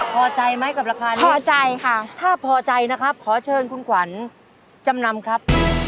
พอใจไหมกับราคานี้พอใจค่ะถ้าพอใจนะครับขอเชิญคุณขวัญจำนำครับ